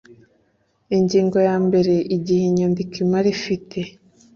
Ingingo ya mbere Igihe inyandiko imara ifite